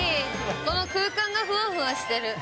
この空間がふわふわしてる。